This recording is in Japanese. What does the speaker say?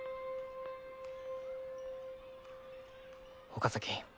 岡崎